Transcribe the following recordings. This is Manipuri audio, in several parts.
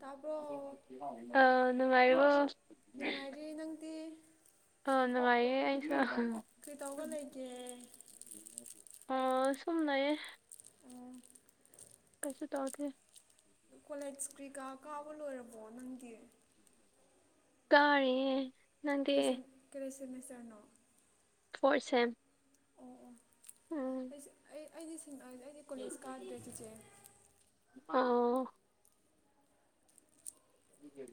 ꯇꯥꯕ꯭ꯔꯣ ꯑ ꯑ ꯅꯨꯡꯉꯥꯏꯥꯏꯔꯤꯕꯣ ꯅꯨꯡꯉꯥꯏꯔꯤꯦ ꯅꯪꯗꯤ ꯑꯉꯌꯦꯦꯁ ꯀꯩꯗꯧꯕ ꯂꯩꯒꯦ ꯑꯣ ꯁꯨꯝ ꯂꯩꯌꯦꯦ ꯑꯣ ꯇꯦ ꯀꯣꯂꯦꯖ ꯀꯩꯀꯥ ꯀꯥꯕ ꯂꯣꯏꯔꯕꯣ ꯅꯪꯗꯤ ꯀꯥꯔꯦ ꯀ ꯀꯔꯥꯏꯁꯤꯃꯦꯁꯔꯅꯣ ꯐꯣꯔ ꯁꯦꯝꯦꯝ ꯑꯣ ꯑꯣ ꯑꯩꯁꯦ ꯑꯩ ꯑꯩꯗꯤ ꯁꯤꯦꯡꯁꯦ ꯑꯩꯗꯤ ꯀꯣꯂꯦꯖ ꯀꯥꯗ꯭ꯔꯦ ꯆꯤꯆꯦ ꯑ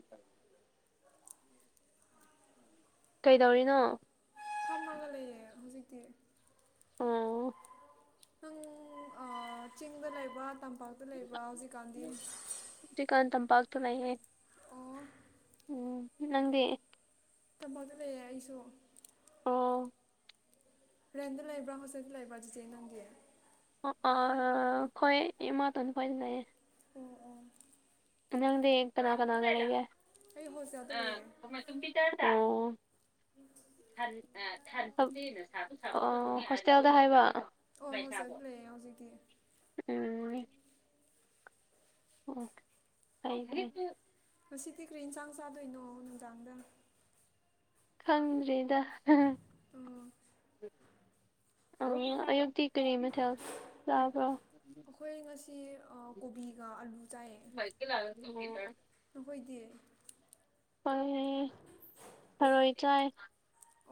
ꯁꯥꯔ ꯀꯩꯗꯧꯔꯤꯅꯣ ꯊꯝꯅꯥꯒꯥ ꯂꯩꯌꯦ ꯍꯧꯖꯤꯛꯇꯤ ꯑꯣ ꯅꯪ ꯑꯥ ꯆꯤꯡꯗ ꯂꯩꯕ꯭ꯔꯥ ꯇꯝꯄꯥꯛꯇ ꯂꯩꯕ꯭ꯔꯥ ꯍꯧꯖꯤꯛꯀꯥꯟꯗꯤ ꯆꯤꯀꯥꯟ ꯇꯝꯄꯥꯛꯇ ꯂꯩꯍꯦ ꯑꯣ ꯎꯝ ꯅꯪꯗꯤ ꯇꯝꯄꯥꯛꯇ ꯂꯩꯌꯦ ꯑꯩꯁꯨ ꯑꯣꯥ ꯍ꯭ꯔꯦꯟꯗ ꯂꯩꯕ꯭ꯔ ꯍꯣꯖꯤꯛꯅ ꯂꯩꯕ ꯗꯤꯖꯥꯏꯟ ꯅꯪꯗꯦ ꯑꯥ ꯈꯣꯏ ꯏꯃꯥꯇꯣꯟꯗ ꯈꯣꯏꯗꯂꯩꯌꯦ ꯑꯣ ꯅꯪꯪꯗꯤ ꯀꯅꯥ ꯀꯅꯥꯔꯒ ꯑꯩ ꯍꯣꯁꯇꯦꯜꯗ ꯂꯩꯌꯦ ꯑꫭ ꯑꯣ ꯍꯣꯁꯇꯦꯜꯗ ꯍꯥꯏꯕ ꯑꯣ ꯍꯧꯖꯤꯛ ꯂꯩꯌꯦ ꯍꯧꯖꯤꯛꯀꯤ ꯎꯝ ꯑꯣ ꯉꯁꯤꯗꯤ ꯀꯔꯤ ꯏꯟꯁꯥꯡ ꯆꯥꯗꯣꯏꯅꯣ ꯅꯨꯡꯗꯥꯡꯗ ꯈꯪꯗ꯭ꯔꯤꯗ ꯑ ꯑꯣ ꯑꯌꯨꯛꯇꯤ ꯀꯔꯤ ꯃꯊꯦꯜ ꯆꯥꯕ꯭ꯔꯣ ꯑꯩꯈꯣꯏ ꯉꯁꯤ ꯀꯣꯕꯤꯒ ꯑꯂꯨ ꯆꯥꯏꯌꯦ ꯑꫭ ꯅꯈꯣꯏꯗꯤ ꯍ ꯊꯔꯣꯏ ꯆꯥꯏ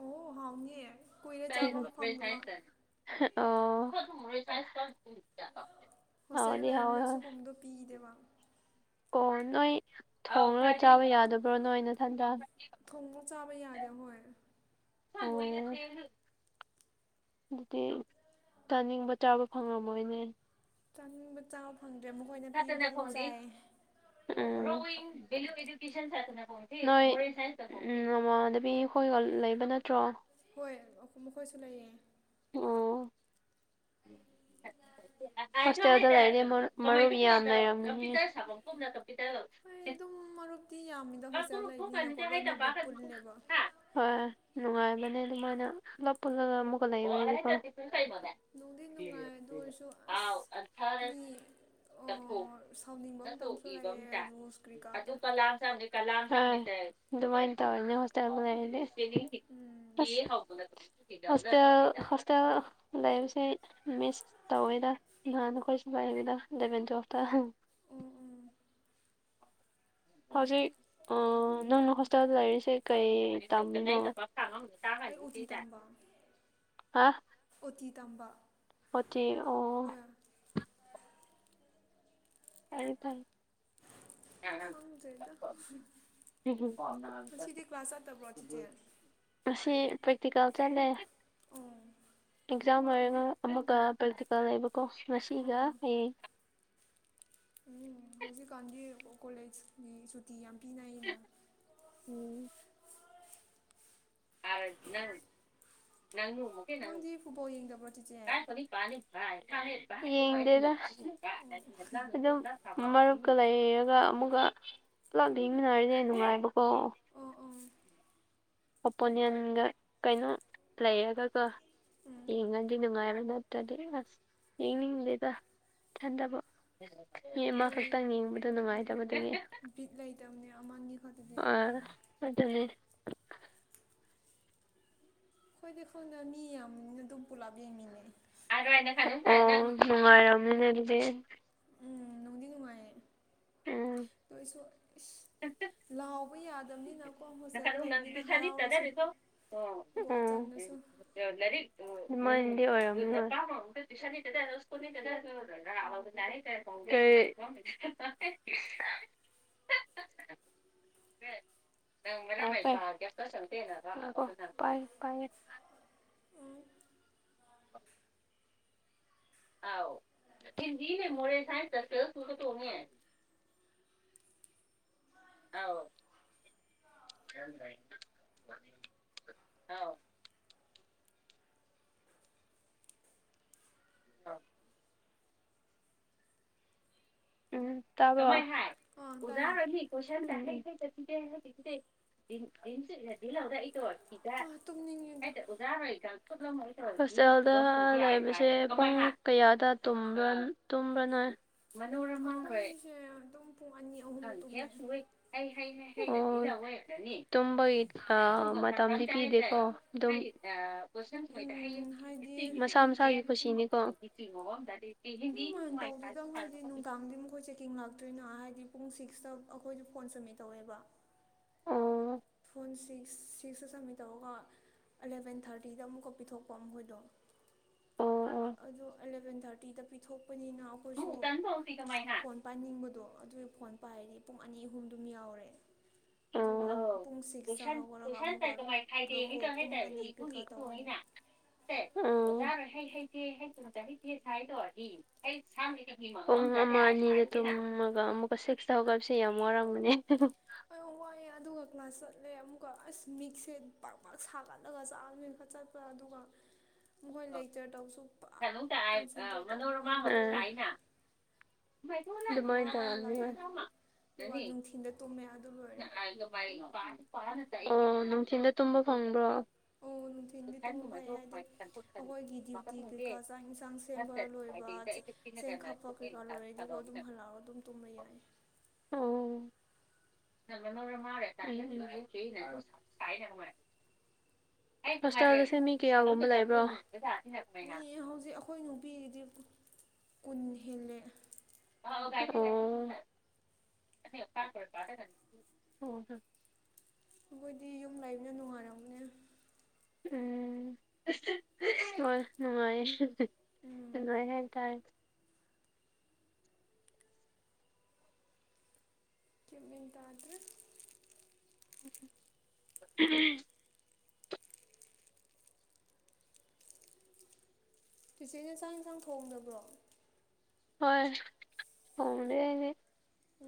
ꯑꯣ ꯍꯥꯎꯅꯤꯌꯦ ꯀꯨꯏꯔꯦ ꯆꯥꯕ ꯐꯪꯗꯕ ꯑꯣ ꯍꯣꯁꯇꯦꯜꯗ ꯍꯥꯎꯗꯤ ꯍꯥꯎꯋꯦ ꯂꯩꯕꯅꯤꯅ ꯁꯤꯒꯨꯝꯕꯗꯣ ꯄꯤꯈꯤꯗꯦꯕ ꯑꯣ ꯅꯣꯏ ꯊꯣꯡꯉꯒ ꯆꯥꯕ ꯌꯥꯗꯕ꯭ꯔꯣ ꯅꯣꯏ ꯅꯊꯟꯗꯥ ꯊꯣꯡꯅ ꯆꯥꯕ ꯌꯥꯗꯦ ꯍꯣꯏ ꯑꯣ ꯑꯗꯨꯗꯤ ꯆꯥꯅꯤꯡꯕ ꯆꯥꯕ ꯐꯪꯉꯝꯃꯣꯏꯅꯦ ꯆꯥꯅꯤꯡꯕ ꯆꯥꯕ ꯐꯪꯗꯦ ꯃꯈꯣꯏꯅ ꯄꯤꯕꯗ ꯑꯗꯨꯝ ꯆꯥꯏꯌꯦ ꯎꯝ ꯅꯣꯏ ꯎꯝ ꯅꯃꯅꯕꯤ ꯑꯩꯈꯣꯏꯒ ꯂꯩꯕ ꯅꯠꯇ꯭ꯔꯣ ꯍꯣꯏ ꯃꯈꯣꯏꯁꯨ ꯂꯩꯌꯦ ꯑꯣ ꯎꯝ ꯍꯁꯇꯗꯥꯏꯔꯤ ꯏꯔꯝꯅ ꯌꯥꯝꯔꯝ ꯑꯩ ꯑꯗꯨꯝ ꯃꯔꯨꯞꯇꯤ ꯌꯥꯝꯃꯤꯗ ꯍꯣꯁꯇꯦꯜ ꯂꯩꯕꯅꯤꯅꯀꯣ ꯂꯣꯏ ꯃꯕꯨꯛ ꯄꯨꯜꯂꯦꯕ ꯍꯣꯏ ꯅꯨꯡꯉꯥꯏꯕꯅꯦ ꯑꯗꯨꯃꯥꯏꯅ ꯄꯨꯂꯞ ꯄꯨꯜꯂꯒ ꯑꯃꯨꯛꯀ ꯂꯩꯕ ꯀꫭ ꯅꯨꯡꯗꯤ ꯅꯨꯡꯉꯥꯏ ꯑꯗꯨ ꯑꯣꯏꯔꯁꯨ ꯑꯁ ꯁꯥꯎꯅꯤꯡꯕ ꯃꯇꯝꯁꯨ ꯂꯩꯑꯦ ꯔꯨꯁ ꯀ꯭ꯔꯤꯀꯥꯗꯣ ꯑꯗꯨꯃꯥꯏꯅ ꯇꯧꯔꯤꯅꯦ ꯍꯣꯁꯇꯦꯜ ꯂꯩꯔꯅꯦ ꯎꯝ ꯍꯁꯇꯦꯜ ꯍꯣꯁꯇꯦꯜ ꯂꯩ ꯁꯤ ꯑꯩ ꯃꯤꯁ ꯇꯧꯋꯤꯗ ꯅꯍꯥꯟꯅ ꯑꯩꯈꯣꯏꯁꯨ ꯄꯥꯏꯕꯤꯗ ꯏꯂꯚꯦꯟ ꯇꯨꯌꯦꯜꯞꯇ ꯎꯝ ꯎꯝ ꯍꯧꯖꯤꯛ ꯅꯪꯅ ꯍꯣꯁꯇꯦꯜꯗ ꯂꯩꯔꯤꯁꯦ ꯀꯩ ꯇꯝꯕꯅꫭ ꯥ ꯇ ꯑꯩ ꯍꯥꯏꯅꯤ ꯆ ꯑꯣꯇꯤ ꯆ ꯇꯝꯕ [unintelligible] ꯑ ꯑꯣꯇꯤ ꯇꯝꯕ ꯑꯣꯠꯇ ꯑꯣ ꯍꯣꯏ ꯑꯦꯔꯤ ꯊꯝ ꯍꯝ ꯍꯝ ꯈꯪꯗ꯭ꯔꯦꯗ ꯉꯁꯤꯗꯤ ꯀ꯭ꯂꯥꯁ ꯆꯠꯇꯕ꯭ꯔꯣ ꯆꯤꯆꯦ ꯑꯁꯤ ꯄ꯭ꯔꯦꯛꯇꯤꯀꯜ ꯆꯠꯂꯦ ꯑꯣ ꯑꯦꯛꯖꯥꯝ ꯑꯣꯏꯔ ꯑꯃꯒ ꯄ꯭ꯔꯦꯛꯇꯤꯀꯦꯜ ꯂꯩꯕꯀꯣ ꯑꯣ ꯉꯁꯤꯒ ꯑꯣ ꯍꯌꯦꯡ ꯎꯝ ꯍꯧꯖꯤꯛꯀꯥꯟꯗꯤ ꯀꯣꯂꯦꯖꯀꯤ ꯁꯨꯇꯤ ꯌꯥꯝ ꯄꯤꯅꯩ ꯑꯩꯅ ꯎꯝ ꯑꯪ ꯅꯪ ꯅꯪꯗꯤ ꯐꯨꯠꯕꯣꯜ ꯌꯦꯡꯗꯕ꯭ꯔꯣ ꯆꯤꯆꯦ ꯅꯤ ꯌꯦꯦꯗ ꯑꯣ ꯑꯗꯨꯝ ꯃꯔꯨꯞꯀ ꯂꯩꯔꯒ ꯑꯃꯨꯛꯀ ꯄꯨꯂꯞ ꯌꯦꯡꯃꯤꯟꯅꯔꯅꯦꯦ ꯅꯨꯡꯉꯥꯏꯕꯀꯣ ꯑꯣ ꯑꯣ ꯑꯣꯄꯣꯅꯤꯟꯒ ꯀꯩꯅꯣ ꯂꯩꯔꯒꯒ ꯎꯝ ꯌꯦꯡꯉꯗꯤ ꯅꯨꯡꯉꯥꯏꯕ ꯅꯠꯇ꯭ꯔꯗꯤ ꯑꯁ ꯌꯦꯡꯅꯤꯡꯗꯦꯕ ꯏꯊꯟꯗꯕ ꯏꯃ ꯍꯣꯏ ꯈꯛꯇꯪ ꯌꯦꯡꯕꯗꯣ ꯅꯨꯡꯉꯥꯏꯇꯕ ꯑꯗꯨꯅꯦ ꯕꯤꯠ ꯂꯩꯇꯕꯅꯦ ꯑꯃꯅꯤ ꯈꯣꯠꯇꯗꯤ ꯑ ꯑꯗꯨꯅꯦ ꯑꯩꯈꯣꯏꯗꯤ ꯈꯪꯅ ꯃꯤ ꯌꯥꯝꯅ ꯑꯗꯨꯝ ꯄꯨꯂꯞ ꯌꯦꯡꯃꯤꯟꯅꯩ ꯑꯣ ꯅꯨꯡꯉꯥꯏꯔꯝꯃꯤꯅꯦ ꯎꯝ ꯅꯨꯡꯗꯤ ꯅꯨꯡꯉꯥꯏꯔꯦ ꯎꯝ ꯑꯗꯨꯣꯁꯨ ꯂꯥꯎꯕ ꯌꯥꯗꯕꯅꯤꯅ ꯌꯥ ꯅꯪ ꯄ ꯆꯅꯤ ꯏꯠꯇꯔꯦꯅꯤꯁꯨꯣ ꯒꯣꯜ ꯆꯟꯂꯁꯨ ꯍꯔꯤ ꯏ [unintelligible] ꯑꯦ ꯪ ꯑ ꯍꯤꯟꯅꯦ ꯃꯣꯣꯔꯦꯁꯥꯏ ꯑ ꯑ ꯑꯥ ꯎꯝꯖꯥ ꯇꯥꯏꯌꯦ ꯄꯣꯁꯗꯤꯂꯗ ꯑꯩ ꯇꯣ ꯏꯗ ꯑꯥ ꯀ ꯇꯨꯝꯅꯤꯡꯉꯦꯗ ꯑꯣꯖꯥ ꯑꯣꯏ ꯀ ꯍꯣꯁꯇꯦꯜꯗ ꯂꯩꯕꯁꯦ ꯄꯨꯡ ꯀꯌꯥꯗ ꯇꯨꯝꯕ꯭ꯔꯅꯣꯏ ꯃꯅꯣꯔꯃ ꯍꯣꯏ ꯑꯩꯈꯣꯏꯁꯦ ꯑꯗꯨꯝ ꯄꯨꯡ ꯑꯅꯤ ꯑꯍꯨꯝꯗ ꯍꯪ ꯍꯦ ꯇꯨꯝꯃꯦ ꯁꯏ ꯑꯩ ꯍꯥꯏꯅ ꯑꯣ ꯇꯝꯕ ꯃꯇꯝꯗꯤ ꯄꯤꯗꯦꯀꯣ ꯎꯝ ꯍꯥꯏꯗꯤ ꯃꯁꯥ ꯃꯁꯥꯕꯤ ꯈꯨꯁꯤꯅꯤ ꯀ ꯇꯧꯗꯔꯤꯒ ꯍꯥꯏꯗꯤ ꯅꯨꯡ ꯇꯥꯡꯗꯤ ꯃꯈꯣꯏ ꯆꯦꯛꯀꯤꯡ ꯂꯥꯛꯇꯣꯏꯅꯣ ꯍꯥꯏꯗꯤ ꯄꯨꯡ ꯁꯤꯛꯁꯇ ꯑꯩꯈꯣꯏꯗꯤ ꯐꯣꯟ ꯆꯨꯝꯃꯤ ꯇꯧꯋꯦꯕ ꯐꯣꯟ ꯁꯤꯛꯁ ꯁꯤꯛꯁꯇ ꯁꯝꯃꯤꯠ ꯇꯧꯔꯒ ꯑꯦꯂꯚꯦꯟ ꯊꯥꯔꯇꯤꯗ ꯑꯃꯨꯛꯀ ꯄꯤꯊꯣꯛꯄ ꯃꯈꯣꯏꯗꯣ ꯑꯣ ꯑꯣ ꯑꯗꯣ ꯑꯦꯂꯚꯦꯟ ꯊꯥꯔꯇꯤꯗ ꯄꯤꯊꯣꯛꯄꯅꯤꯅ ꯑꯩꯈꯣꯏꯁꯨ ꯐꯣꯟ ꯄꯥꯏꯅꯤꯡꯕꯗꯣ ꯑꯗꯨꯒꯤ ꯐꯣꯟ ꯄꯥꯏꯔꯗꯤ ꯄꯨꯡ ꯑꯅꯤ ꯑꯍꯨꯝꯗꯨꯝ ꯌꯥꯎꯔꯦ ꯑꯣ ꯑꯗꯨꯒ ꯄꯨꯡ ꯁꯤꯛꯁꯇ ꯍꯧꯈꯔꯒ ꯑꯃꯨꯛꯀ ꯄꯨꯣꯀꯣ ꯀꯨꯝꯒꯅꯤ ꯀ꯭ꯔꯤꯀꯥ ꯇꯧꯒꯅꯤ ꯌꯥꯔꯣꯏ ꯍꯩ ꯍꯩꯇꯦ ꯍꯩ ꯇꯇ ꯍꯩꯇꯦ ꯁ ꯍꯥꯏꯗꯣ ꯑꯩ ꯁ ꯄꯨꯡ ꯑꯃ ꯑꯅꯤꯗ ꯇꯨꯝꯃꯒ ꯑꯃꯨꯛꯀ ꯁꯤꯛꯁꯇ ꯍꯧꯒꯠꯕꯁꯦ ꯌꯥꯝ ꯋꯥꯔꯕꯅꯦ ꯍ ꯋꯥꯏꯑꯦ ꯑꯗꯨꯒ ꯀ꯭ꯂꯥꯁ ꯆꯠꯂꯦ ꯑꯃꯨꯛꯀ ꯑꯁ ꯃꯤꯛꯁꯦ ꯄꯥꯛ ꯄꯥꯛ ꯁꯥꯒꯠꯂꯒ ꯆꯥꯛꯅꯤꯅ ꯈ ꯆꯠ ꯑꯗꯨꯒ ꯃꯈꯣꯏ ꯂꯩꯆꯔ ꯇꯧꯁꯨ ꯄꯨ ꯀꯣꯟꯁꯦꯟꯇ꯭ꯔꯦꯠ ꯑꯗꯨꯃꯥꯏꯅ ꯇꯧꯕ ꯉꯝꯗ꯭ꯔꯦ ꯌꯥꯝ ꯇꯧꯔꯝꯅꯤ ꯋꯥꯔꯂꯛꯑꯦ ꯑꯗꯨꯒ ꯅꯨꯡꯊꯤꯟꯜꯗ ꯇꯨꯝꯃꯦ ꯑꯗꯨ ꯂꯣꯏꯔꯦ ꯑꯣ ꯅꯨꯡꯊꯤꯤꯟꯗ ꯇꯨꯝꯕ ꯐꯪꯕ꯭ꯔꯣ ꯑꯣ ꯅꯨꯡꯊꯤꯟꯗꯤ ꯇꯣꯡꯕ ꯐꯩ ꯍꯥꯏꯗꯤ ꯑꯩꯈꯣꯏꯒꯤ ꯗ꯭ꯌꯨꯇꯤꯩ ꯀꯩꯀꯥ ꯆꯥꯛ ꯌꯦꯟꯁꯥꯡ ꯁꯦꯝꯕ ꯂꯣꯏꯕ ꯆꯦꯡ ꯈꯥꯞꯄ ꯀꯩꯀꯥ ꯂꯣꯏꯔꯗꯤꯀꯣ ꯑꯗꯨꯝ ꯍꯜꯂꯛꯑꯒ ꯑꯗꯨꯝ ꯇꯨꯝꯕ ꯌꯥꯏ ꯑꯣ ꯅꯪ ꯃꯥꯦ ꯍꯣꯁꯇꯥꯦꯜꯒꯤꯁꯦ ꯃꯤ ꯀꯌꯥꯒꯨꯝꯕ ꯂꯩꯕ꯭ꯔꯣ ꯃꯤ ꯍꯧꯖꯤꯛ ꯑꯩꯈꯣꯏ ꯅꯨꯄꯤꯒꯤꯗꯤ ꯀꯨꯟ ꯍꯦꯜꯂꯦ ꯎ ꯍ ꯍꯝ ꯑꯩꯈꯣꯏꯗꯤ ꯌꯨꯝ ꯂꯩꯕꯅ ꯅꯨꯡꯉꯥꯅꯕꯅꯦ ꯎꯝ ꯍꯣꯏ ꯅꯨꯡꯉꯥꯏꯦ ꯎꯝ ꯅꯨꯡꯉꯥꯏ ꯍꯥꯏꯇꯥꯔꯦ ꯀ ꯃꯤꯦꯟ ꯇꯥꯗꯔ ꯎꯝ ꯆꯤꯆꯦ ꯌꯦꯟꯁꯥꯡ ꯌꯦꯟꯁꯥꯡ ꯊꯣꯡꯕ꯭ꯔꯣ ꯍꯣꯏ ꯍꯣꯡꯣꯡꯗꯅꯦ ꯎ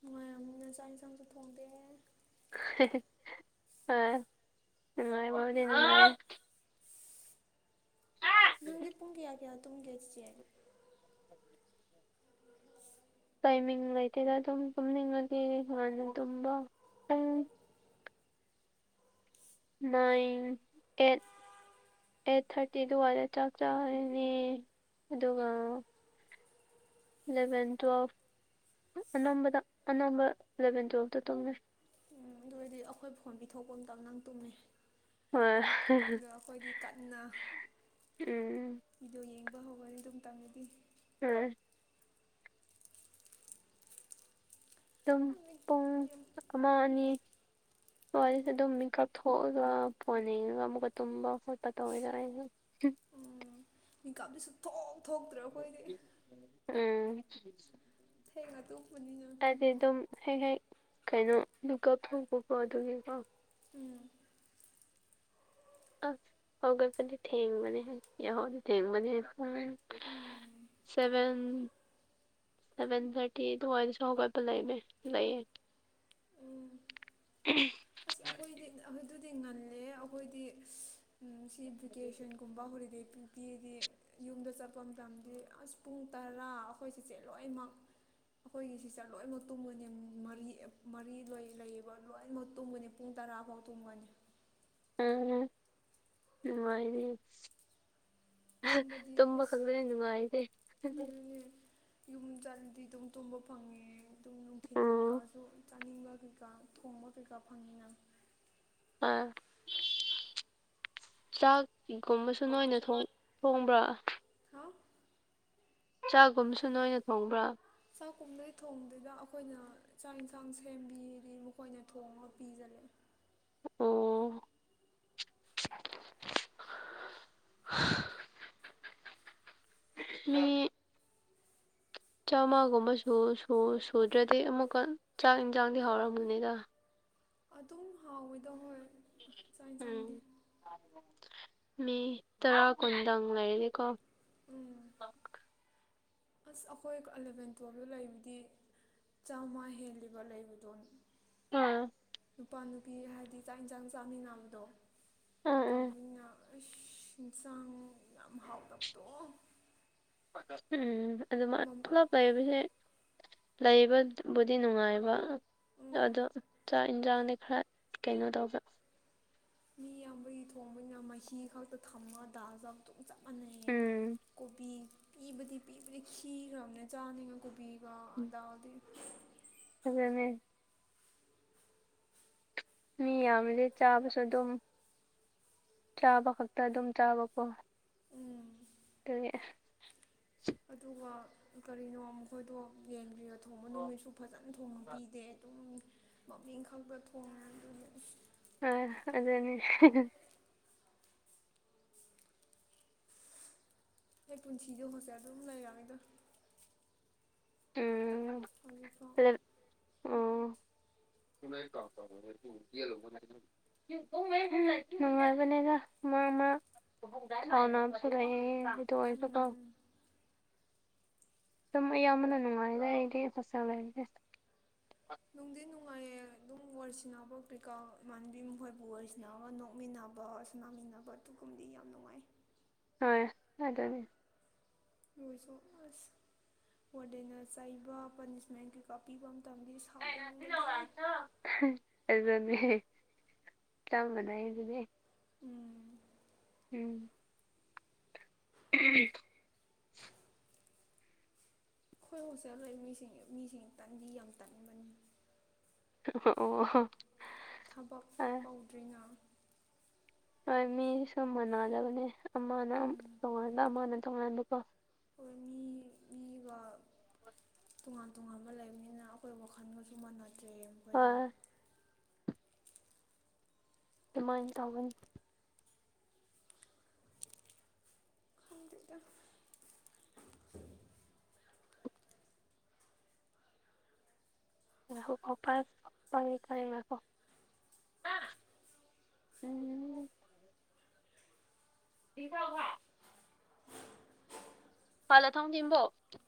ꯅꯨꯡꯉꯥꯏꯔ ꯃꯣꯏꯅ ꯆꯥꯛ ꯌꯦꯟꯁꯥꯡꯁꯨ ꯊꯣꯡꯗꯦꯦ ꯑ ꯅꯨꯡꯉ ꯅꯪꯗꯤ ꯄꯨꯡ ꯀꯌꯥ ꯀꯌꯥ ꯇꯨꯝꯒꯦ ꯏꯆꯦ [unintelligible] ꯇꯥꯏꯃꯤꯡ ꯂꯩꯇꯦꯗ ꯑꯗꯨꯝ ꯇꯨꯝꯅꯤꯡꯉꯒ ꯍꯥꯟꯅ ꯇꯨꯝꯕꯪ ꯅꯥꯏꯟ ꯑꯦꯠ ꯑꯩꯠ ꯊꯥꯔꯇꯤ ꯑꯗꯨꯋꯥꯏꯗ ꯆꯥꯛ ꯆꯥꯔꯅꯤ ꯑꯗꯨꯒ ꯏꯂꯚꯦꯟ ꯇꯨꯋꯦꯜꯐ ꯑꯅꯝꯕꯗ ꯑꯅꯝꯕ ꯏꯂꯚꯦꯟ ꯇꯨꯋꯦꯜꯐꯇ ꯇꯧꯅꯩ ꯎꯝ ꯑꯗꯨ ꯑꯣꯏꯔꯗꯤ ꯑꯩꯈꯣꯏ ꯐꯣꯟ ꯄꯤꯊꯣꯛꯄ ꯃꯇꯝꯗ ꯅꯪ ꯇꯨꯝꯃꯦꯩ ꯍꯣꯏ ꯑꯗꯣ ꯑꯩꯈꯣꯏꯗꯤ ꯀꯟꯅ ꯎꯝ ꯕꯤꯗꯤꯑꯣ ꯌꯦꯡꯕ ꯍꯧꯔꯅꯤ ꯑꯗꯨꯝ ꯇꯪꯒꯗꯤ ꯎꯝ ꯇꯨꯝ ꯍꯣꯏ ꯌꯥꯝ ꯄ ꯑꯃꯥꯡꯅꯤ ꯑꯣ ꯋꯥꯔꯤꯁꯦ ꯑꯗꯨꯝ ꯃꯤꯀꯞ ꯊꯣꯛꯑꯒ ꯐꯣꯟ ꯌꯦꯉꯒ ꯑꯃꯨꯛꯀ ꯇꯨꯝꯕ ꯈꯣꯠꯄ ꯇꯧꯋꯗꯔꯥ ꯑꯩꯁꯨ ꯃꯤꯀꯥꯞꯇ ꯁ ꯊꯣꯛ ꯊꯣꯛꯇ꯭ꯔꯦ ꯑꯩꯈꯣꯏꯗꯤ ꯎꯝ ꯊꯦꯡꯒ ꯇꯨꯞꯄꯅꯤ ꯍꯥꯏꯗꯤ ꯑꯗꯨꯝ ꯍꯦꯛ ꯍꯦꯛ ꯀꯩꯅꯣ ꯂꯨꯀꯞ ꯊꯣꯛꯧꯕꯀꯣ ꯑꯗꯨꯒꯤꯀꯣ ꯎꯝ ꯑ ꯍꯒꯄꯅꯤ ꯊꯦꯡ ꯃꯅꯦ ꯍꯥꯏ ꯍ ꯊꯦꯡ ꯃꯅꯦ ꯍꯥꯏ ꯎꯝ ꯁꯚꯦꯟ ꯁꯕꯦꯟ ꯊꯔꯇꯤ ꯑꯗꯨ ꯋꯥꯔꯤꯁ ꯍꯒ ꯄ ꯂꯩꯅꯦ ꯂꯩꯌꯦꯦ ꯎꯝ ꯎꯝ ꯑꯁ ꯑꯩꯈꯣꯏꯗꯤ ꯑꯗꯨꯗꯤ ꯉꯜꯂꯦ ꯑꯩꯈꯣꯏꯗꯤ ꯁꯤ ꯚꯦꯀꯦꯁꯟꯒꯨꯝꯕ ꯍꯣꯂꯤꯗꯦ ꯄꯤ ꯇꯤꯗꯤ ꯌꯨꯝꯗ ꯆꯠꯄ ꯃꯇꯝꯗ ꯑꯁ ꯄꯨꯡ ꯇꯔꯥ ꯑꯩꯈꯣꯏ ꯆꯤꯆꯦ ꯂꯣꯏꯅꯃꯛ ꯑꯩꯈꯣꯏꯒꯤ ꯁꯤꯁ ꯂꯣꯏꯅꯃꯛ ꯇꯨꯝꯕꯅꯤ ꯃꯔꯤ ꯃꯔꯤ ꯂꯣꯏ ꯂꯩꯌꯦꯕ ꯂꯣꯏꯅꯃꯛ ꯇꯨꯝꯕꯅꯤ ꯄꯨꯡ ꯇꯔꯥꯐꯥꯎ ꯇꯨꯝꯒꯅꯤ ꯎꯝ ꯋꯥꯗꯤ ꯇꯨꯝꯕꯗꯤ ꯇꯨꯝꯕ ꯈꯪꯗꯅꯦ ꯅꯨꯡꯉꯥꯏꯇꯦ ꯎꯝ ꯌꯨꯝ ꯆꯥꯠꯂꯗꯤ ꯑꯗꯨꯝ ꯇꯨꯝꯕ ꯐꯪꯉꯦ ꯑꯗꯨꯝ ꯅꯨꯡꯊꯤꯟ ꯀꯩꯀꯥꯁꯨ ꯆꯥꯅꯤꯡꯕ ꯀꯩꯀꯥ ꯊꯣꯡꯕ ꯀꯩꯀꯥ ꯐꯪꯉꯤꯅꯪ ꯑꯥ ꯆꯥꯛ ꯁꯤꯒꯨꯝꯕꯁꯨ ꯅꯣꯏꯅ ꯊꯣꯡꯕ꯭ꯔꯥ ꯍ ꯆꯥꯛꯒꯨꯝꯁꯨ ꯅꯣꯏꯅ ꯊꯣꯡꯕ꯭ꯔꯥ ꯆꯥꯛ ꯀꯨꯝꯅꯩ ꯊꯣꯡꯗꯨꯗ ꯑꯩꯈꯣꯏꯅ ꯆꯥꯛ ꯌꯦꯟꯁꯥꯡ ꯁꯦꯝꯕꯤꯗꯤ ꯃꯈꯣꯏꯅ ꯊꯣꯡꯉꯒ ꯄꯤꯁꯤꯂꯦ ꯑꯣ ꯍ ꯃꯤ ꯆꯥꯝꯃꯒꯨꯝꯕꯁꯨ ꯁꯨꯗ꯭ꯔꯗꯤ ꯑꯃꯨꯛꯀ ꯆꯥꯛ ꯏꯟꯁꯥꯡꯗꯤ ꯍꯥꯎꯔꯝꯒꯅꯤꯗ ꯑꯗꯨꯝ ꯍꯥꯎꯋꯦꯗꯧ ꯍꯣꯏ ꯆꯥꯛ ꯌꯦꯟꯁꯥꯡꯗꯤ ꯎꯝ ꯃꯤ ꯇꯔꯥ ꯀꯨꯟꯗꯪ ꯂꯩꯔꯗꯤꯀꯣ ꯎꯝ ꯑꯁ ꯑꯩꯈꯣꯏ ꯑꯦꯂꯚꯦꯟ ꯇꯨꯌꯦꯜꯞꯇ ꯂꯩꯕꯗꯤ ꯆꯥꯝꯃꯉꯥ ꯍꯦꯜꯂꯤꯕ ꯂꯩꯕꯗꯣ ꯑꯝ ꯅꯨꯄꯥ ꯅꯨꯄꯤ ꯍꯥꯏꯗꯤ ꯆꯥꯛ ꯌꯦꯟꯁꯥꯡ ꯆꯥꯃꯤꯟꯅꯕꯗꯣ ꯎꯝ ꯎꯝ ꯇꯧꯃꯤꯅ ꯑꯁ ꯏꯟꯁꯥꯡ ꯌꯥꯝ ꯍꯥꯎꯇꯕꯗꯣ ꯎꯝ ꯑꯗꯨꯃꯥꯏ ꯎꯝ ꯄꯨꯂꯞ ꯂꯩꯕꯁꯦ ꯂꯩꯕꯕꯨꯗꯤ ꯅꯨꯡꯉꯥꯏꯕ ꯑꯗꯣ ꯆꯥꯛ ꯌꯦꯟꯁꯥꯡꯗꯤ ꯈꯔ ꯀꯩꯅꯣ ꯇꯧꯕ ꯃꯤ ꯌꯥꯝꯕꯒꯤ ꯊꯣꯡꯕꯅꯤꯅ ꯃꯍꯤ ꯈꯛꯇ ꯊꯝꯃ ꯇꯥꯖꯕ ꯑꯗꯨꯝ ꯆꯞ ꯃꯥꯟꯅꯩꯌꯦ ꯎꯝ ꯀꯣꯕꯤ ꯄꯤꯕꯗꯤ ꯄꯤꯕꯗꯤ ꯈꯤꯈ꯭ꯔꯕꯅ ꯆꯥꯅꯤꯒ ꯀꯣꯕꯤ ꯑ ꯗꯥꯎꯗꯤ ꯑꯗꯨꯅꯦ ꯃꯤ ꯌꯥꯝꯃꯤꯗꯤ ꯆꯥꯕꯁꯨ ꯑꯗꯨꯝ ꯆꯥꯕ ꯈꯛꯇ ꯑꯗꯨꯝ ꯆꯥꯕꯀꯣ ꯎꯝ ꯑꯗꯨꯅꯦ ꯑ ꯑꯗꯨꯒ ꯀꯔꯤꯅꯣ ꯃꯈꯣꯏꯗꯣ ꯌꯦꯡꯕꯤꯌꯣ ꯊꯣꯡꯕ ꯅꯨꯃꯤꯠꯁꯨ ꯐꯖꯅ ꯊꯣꯡꯕ ꯄꯤꯗꯦ ꯑꯗꯨꯝ ꯃꯃꯤꯡ ꯈꯛꯇ ꯊꯣꯡꯉꯦ ꯑꯗꯨꯅꯤ ꯑ ꯑꯗꯨꯅꯦ ꯍ ꯄꯨꯟꯁꯤ ꯌ ꯍꯧꯁꯦ ꯑꯗꯨꯝ ꯂꯩꯔꯅꯤꯗꯣ ꯎꯝ ꯍꯧꯖꯤꯛꯐꯥꯎ꯫ [unintelligible] ꯅꯨꯡꯉꯥꯏꯕꯅꯦꯗ ꯃꯥ ꯃꯥ꯫ ꯑꯅꯥꯝꯁꯨ ꯂ꯭ꯩꯌꯦ ꯑꯗꯨ ꯑꯣꯏꯔꯁꯨꯀꯣ꯫ ꯎꯝ ꯑꯗꯨꯝ ꯑꯌꯥꯝꯕꯅ ꯅꯨꯡꯉꯥꯏ ꯂꯩꯗꯤ ꯍꯣꯁꯇꯦꯜ ꯂꯩꯕꯁꯦ꯫ ꯅꯨꯡꯗꯤ ꯅꯨꯡꯉꯥꯏꯌꯦ ꯑꯗꯨꯝ ꯋꯥꯔꯤꯁꯤꯅꯕ ꯀꯔꯤꯀꯥ ꯏꯃꯥꯟꯕꯤ ꯃꯈꯣꯏꯕꯨ ꯋꯥꯔꯤ ꯁꯤꯟꯅꯔꯒ ꯅꯣꯛꯃꯤꯟꯅꯕ꯫ ꯂꯥꯡꯃꯤꯟꯅꯕ ꯑꯗꯨꯒꯨꯝꯗꯤ ꯌꯥꯝ ꯅꯨꯡꯉꯥꯏ꯫ ꯍꯣꯏ ꯑꯗꯨꯅꯤ꯫ ꯂꯣꯏꯁꯨ ꯑꯁ ꯋꯥꯔꯗꯦꯑꯅ ꯆꯩꯕ ꯄꯥꯅꯤꯁꯃꯦꯟꯒꯤ꯫ ꯄꯥꯛꯄꯤꯕ ꯃꯇꯝꯗꯗꯤ ꯁꯥꯎꯅꯤꯡꯕꯗꯤ꯫ ꯑꯗꯨꯅꯦ ꯆꯄ ꯃꯅꯩ ꯑꯩꯗꯨꯅꯦ꯫ ꯎꯝ꯫ ꯎꯝ꯫ ꯎꯝ [unintelligible] [unintelligible] ꯑꯈꯣꯏ ꯍꯣꯁꯇꯦꯜ ꯂꯩ ꯃꯤꯁꯤꯡ ꯃꯤꯁꯤꯡ ꯇꯥꯟꯗꯤ ꯌꯥꯝ ꯇꯥꯟꯕꯅꯤ꯫ ꯑꯣ꯫ ꯊꯕꯛ ꯑ ꯄꯥꯛꯀꯧꯗ꯭ꯔꯤꯉꯥ꯫ ꯍꯣꯏ ꯃꯤꯁꯨ ꯃꯥꯟꯅꯗꯕꯅꯦ ꯑꯃꯅ ꯎꯝ ꯇꯣꯡꯉꯟꯥꯟꯕ ꯑꯃꯅ ꯇꯣꯡꯉꯟꯥꯟꯕꯀꯣ꯫ ꯍꯣꯏ ꯃꯤ ꯃꯤꯒ꯫ ꯇꯣꯉꯥꯟ ꯇꯣꯉꯥꯟꯕ ꯂꯩꯕꯅꯤꯅ ꯑꯩꯈꯣꯏ ꯋꯥꯈꯜꯒꯁꯨ ꯃꯥꯟꯅꯗ꯭ꯔꯦ ꯃꯈꯣꯏꯒ꯫ ꯍꯣꯏ ꯑꯗꯨꯃꯥꯏ ꯇꯧꯒꯅꯨ꯫ ꯈꯪꯗꯦꯗ꯫ ꯉꯥꯏꯈꯣ ꯄꯥꯏꯌꯨ ꯉꯥꯏꯈꯣ꯫ ꯎꯝ꯫ ꯊ ꯊꯧꯚꯥꯏ [unintelligible] ꯐꯂ ꯊꯥꯎ [unintelligible]